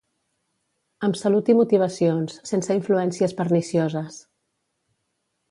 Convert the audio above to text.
Amb salut i motivacions, sense influències pernicioses.